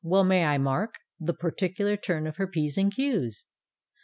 Well may I mark The particular turn of her P's and Q's!